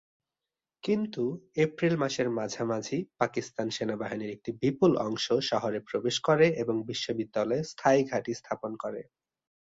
কিন্তু এপ্রিল মাসের মাঝামাঝি পাকিস্তান সেনাবাহিনীর একটি বিপুল অংশ শহরে প্রবেশ করে এবং বিশ্ববিদ্যালয়ে স্থায়ী ঘাঁটি স্থাপন করে।